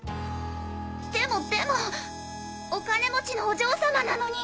でもでもお金持ちのお嬢様なのに。